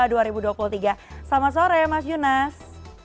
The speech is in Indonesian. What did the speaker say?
selamat sore mas junas